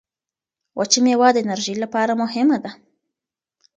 وچه مېوه د انرژۍ لپاره مهمه ده.